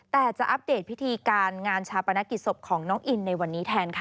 แต่จะอัปเดตพิธีการงานชาปนกิจศพของน้องอินในวันนี้แทนค่ะ